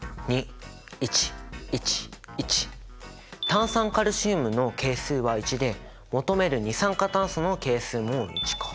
炭酸カルシウムの係数は１で求める二酸化炭素の係数も１か。